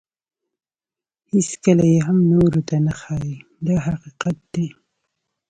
هیڅکله یې هم نورو ته نه ښایي دا حقیقت دی.